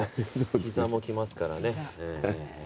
膝もきますからね。